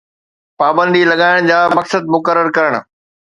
پابندي لڳائڻ جا مقصد مقرر ڪرڻ